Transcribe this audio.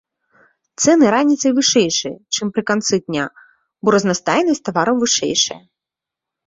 Цэны раніцай вышэйшыя, чым пры канцы дня, бо разнастайнасць тавараў вышэйшая.